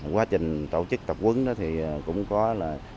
quá trình tổ chức tập quấn cũng có là